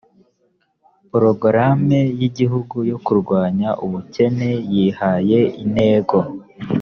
porogaramu y igihugu yo kurwanya ubukene yihaye intego